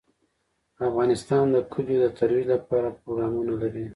افغانستان د کلیو د ترویج لپاره پروګرامونه لري.